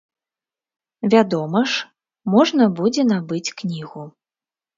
Вядома ж, можна будзе набыць кнігу.